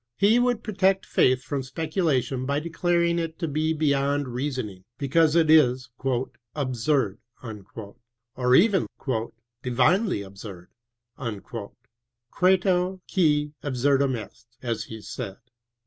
He would protect faith from speculation by declaring it to be beyond reasoning, because it is " absurd " or even divinely absurd" {credo, ^ia ah surdum est), as he said.